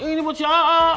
ini buat si a